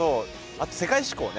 あと世界志向ね。